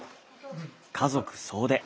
家族総出。